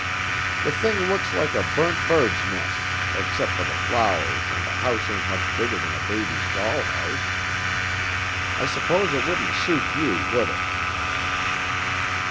The thing looks like a burnt bird's nest except for the flowers, and the house ain't much bigger than a baby doll's house. I suppose it wouldn't suit you, would it?"